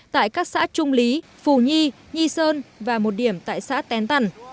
tại các xã trung lý phù nhi nhi sơn và một điểm tại xã tén tần